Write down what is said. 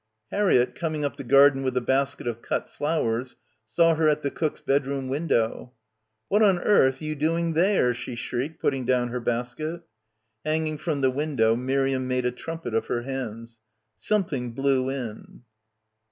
Harriett coming up the garden with a basket of cut flowers saw her at the cook's bedroom window. "What on earth you doing thayer!" she shrieked, putting down her basket. — 47 — PILGRIMAGE Hanging from the window Miriam made a trumpet of her hands. "Something blew in